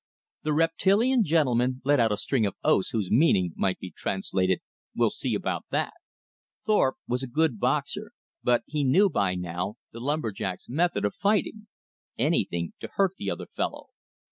The reptilian gentleman let out a string of oaths whose meaning might be translated, "We'll see about that!" Thorpe was a good boxer, but he knew by now the lumber jack's method of fighting, anything to hurt the other fellow.